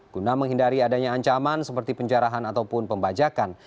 guna menghindari adanya ancaman seperti penjarahan ataupun pembajakan